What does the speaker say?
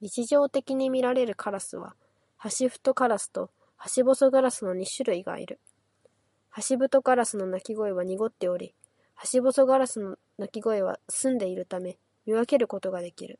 日常的にみられるカラスはハシブトガラスとハシボソガラスの二種類がいる。ハシブトガラスの鳴き声は濁っており、ハシボソガラスの鳴き声は澄んでいるため、見分けることができる。